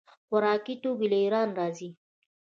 خوراکي توکي له ایران راځي.